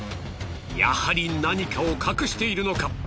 やはり何かを隠しているのか？